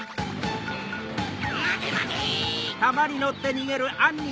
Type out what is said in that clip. まてまて！